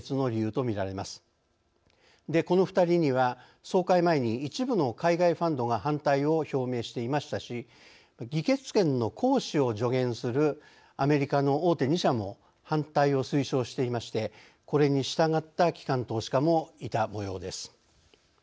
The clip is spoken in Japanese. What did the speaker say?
この２人には総会前に一部の海外ファンドが反対を表明していましたし議決権の行使を助言するアメリカの大手２社も反対を推奨していましてこれに従った機関投資家もいたもようです。